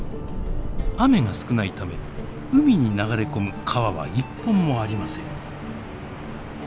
雨が少ないため海に流れ込む川は一本もありません。